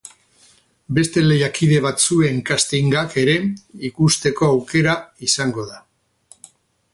Beste lehiakide batzuen castingak ere ikusteko aukera izango da.